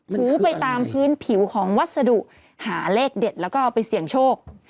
ถูไปตามพื้นผิวของวัสดุหาเลขเด็ดแล้วก็เอาไปเสี่ยงโชค